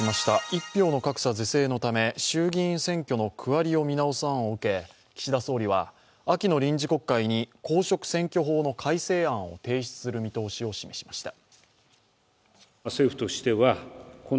一票の格差是正のため、衆議院選挙の区割りを見直す案を受け、岸田総理は秋の臨時国会に公職選挙法の改正案を提出する見通しを示しました。